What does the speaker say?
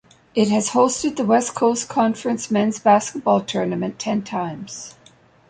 It has hosted the West Coast Conference men's basketball tournament ten times.